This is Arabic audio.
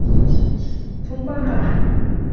ثُمَّ قَرَأَ